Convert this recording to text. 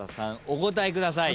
お答えください。